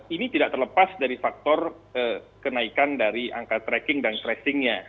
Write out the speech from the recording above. ini tidak terlepas dari faktor kenaikan dari angka tracking dan tracingnya